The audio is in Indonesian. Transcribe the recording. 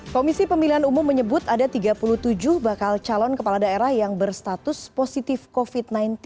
komisi pemilihan umum menyebut ada tiga puluh tujuh bakal calon kepala daerah yang berstatus positif covid sembilan belas